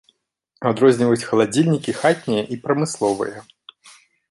Адрозніваюць халадзільнікі хатнія і прамысловыя.